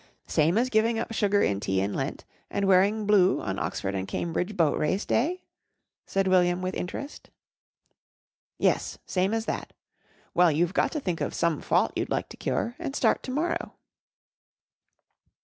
"Same as giving up sugar in tea in Lent and wearing blue on Oxford and Cambridge Boat Race Day?" said William with interest. "Yes, same as that. Well, you've got to think of some fault you'd like to cure and start to morrow."